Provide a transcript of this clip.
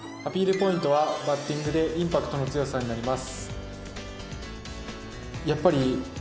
ポイントはバッティングでインパクトの強さになります。